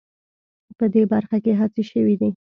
په دې برخه کې هڅې شوې دي